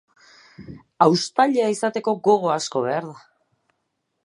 Haustailea izateko gogo asko behar da.